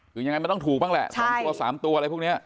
คือยังไงมันต้องถูกบ้างแหละ๒ตัว๓ตัวอะไรพวกนี้